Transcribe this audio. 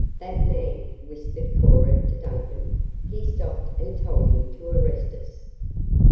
"That man!" whispered Cora to Duncan. "He stopped and told him to arrest us."